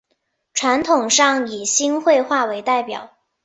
传统上以新会话为代表。